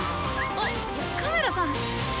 あっカメラさん。